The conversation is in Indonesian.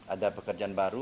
ada pekerjaan baru